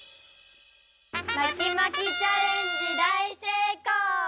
まきまきチャレンジだいせいこう！